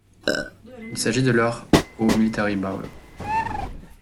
Il s'agit de leur au Military Bowl.